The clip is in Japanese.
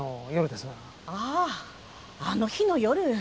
あああの日の夜。